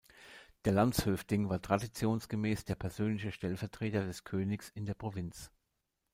Der landshövding war traditionsgemäß der persönliche Stellvertreter des Königs in der Provinz.